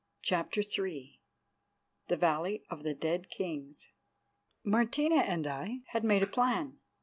CHAPTER III THE VALLEY OF THE DEAD KINGS Martina and I had made a plan.